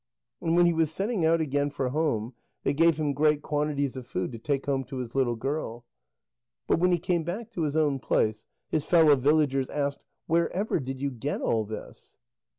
And when he was setting out again for home, they gave him great quantities of food to take home to his little girl. But when he came back to his own place, his fellow villagers asked: "Wherever did you get all this?"